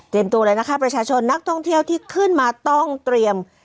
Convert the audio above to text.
ตัวเลยนะคะประชาชนนักท่องเที่ยวที่ขึ้นมาต้องเตรียม